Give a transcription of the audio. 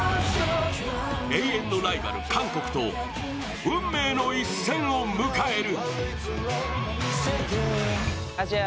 永遠のライバル・韓国と運命の一戦を迎える。